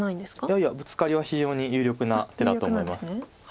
いやいやブツカリは非常に有力な手だと思います。